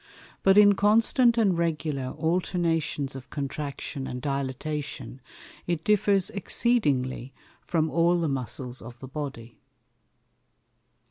But in constant and regular Alternations of Contraction and Dilatation, it differs exceedingly from all the Muscles of the Body.